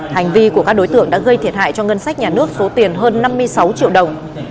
hành vi của các đối tượng đã gây thiệt hại cho ngân sách nhà nước số tiền hơn năm mươi sáu triệu đồng